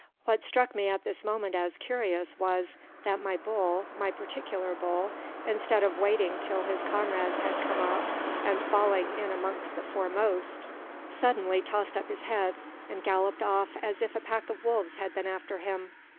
What struck me at this moment as curious was, that my bull, my particular bull, instead of waiting till his comrades had come up, and falling in among the foremost, suddenly tossed up his head, and galloped off as if a pack of wolves had been after him.